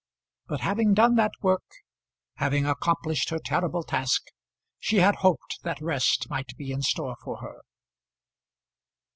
But having done that work, having accomplished her terrible task, she had hoped that rest might be in store for her.